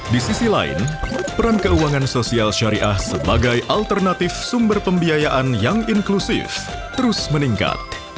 di sisi lain peran keuangan sosial syariah sebagai alternatif sumber pembiayaan yang inklusif terus meningkat